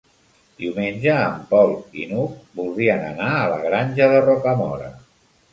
Diumenge en Pol i n'Hug voldrien anar a la Granja de Rocamora.